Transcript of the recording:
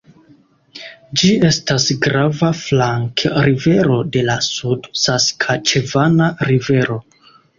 Ĝi estas grava flankrivero de la Sud-Saskaĉevana rivero.